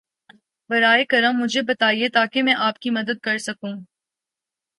براہ کرم مجھے بتائیں تاکہ میں آپ کی مدد کر سکوں۔